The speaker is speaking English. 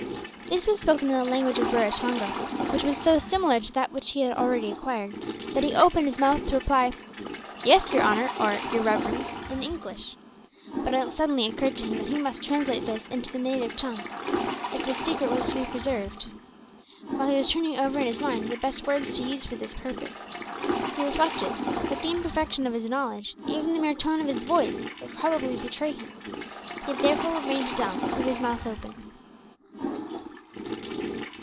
This was spoken in the language of Raratonga, which was so similar to that which he had already acquired, that he opened his mouth to reply, "Yes, your honour," or "Your reverence," in English. But it suddenly occurred to him that he must translate this into the native tongue if his secret was to be preserved. While he was turning over in his mind the best words to use for this purpose he reflected that the imperfection of his knowledge, even the mere tone of his voice, would probably betray him; he therefore remained dumb, with his mouth open.